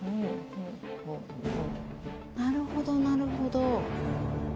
なるほどなるほど。